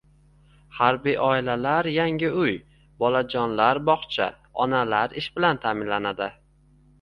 Harbiy oilalar yangi uy, bolajonlar bog‘cha, onalar ish bilan ta’minlandi